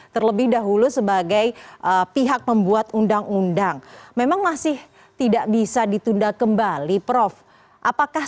terlebih dahulu sebagai pihak pembuat undang undang memang masih tidak bisa ditunda kembali prof apakah